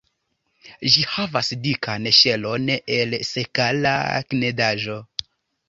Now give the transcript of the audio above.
Ĝi havas dikan ŝelon el sekala knedaĵo.